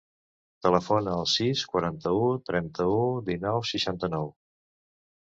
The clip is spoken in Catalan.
Telefona al sis, quaranta-u, trenta-u, dinou, seixanta-nou.